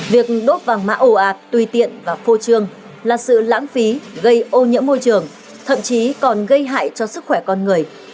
việc đốt vàng mã ồ ạt tùy tiện và phô trương là sự lãng phí gây ô nhiễm môi trường thậm chí còn gây hại cho sức khỏe con người